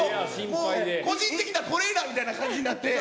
もう個人的なトレーナーみたいな感じになって。